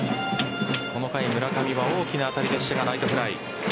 この回、村上は大きな当たりでしたがライトフライ。